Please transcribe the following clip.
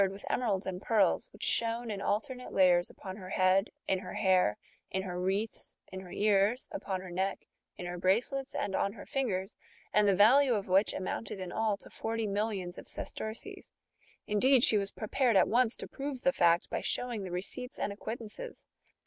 with emeralds and pearls, which shone in alternate layers upon her head, in her hair, in her wreaths, in her ears, upon her neck, in her bracelets, and on her fingers, and the value of which amounted in all to forty millions ^^ of sesterces ; indeed ^ she was prepared at once to prove the fact, by showing the receipts and acquittances.